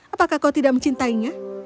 apakah kau tidak mencintainya